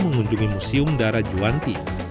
mengunjungi museum darajwanti